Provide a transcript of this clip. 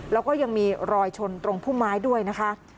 แล้วก็ยังมีรอยชนตรงพุ่มไม้ด้วยนะคะ